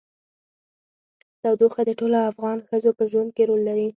تودوخه د ټولو افغان ښځو په ژوند کې رول لري.